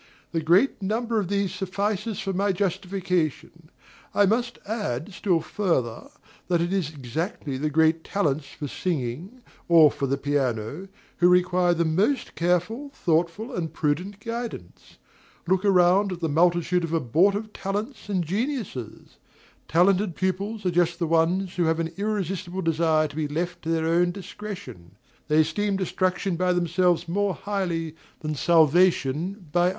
The great number of these suffices for my justification. I must add, still further, that it is exactly the "great talents" for singing, or for the piano, who require the most careful, thoughtful, and prudent guidance. Look around at the multitude of abortive talents and geniuses! Talented pupils are just the ones who have an irresistible desire to be left to their own discretion; they esteem destruction by themselves more highly than salvation by others.